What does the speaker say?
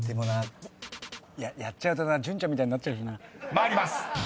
［参ります。